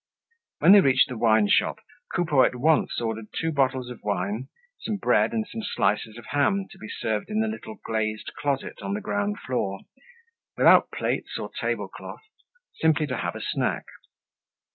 When they reached the wineshop, Coupeau at once ordered two bottles of wine, some bread and some slices of ham, to be served in the little glazed closet on the ground floor, without plates or table cloth, simply to have a snack.